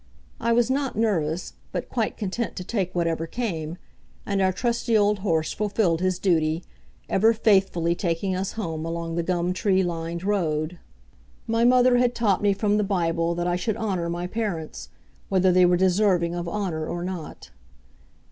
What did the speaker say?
I was not nervous, but quite content to take whatever came, and our trusty old horse fulfilled his duty, ever faithfully taking us home along the gum tree lined road. My mother had taught me from the Bible that I should honour my parents, whether they were deserving of honour or not.